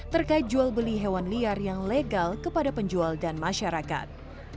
terkait jual beli hewan liar yang legal kepada penjual dan masyarakat